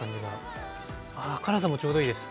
あ辛さもちょうどいいです。